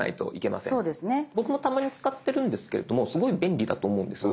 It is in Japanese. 僕もたまに使ってるんですけれどもすごい便利だと思うんです。